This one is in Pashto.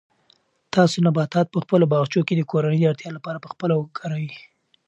تاسو نباتات په خپلو باغچو کې د کورنۍ د اړتیا لپاره په خپله وکرئ.